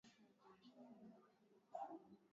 Mimi nilimshinda katika mitihani